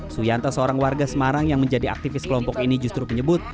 suyanta seorang warga semarang yang menjadi aktivis kelompok ini justru menyebut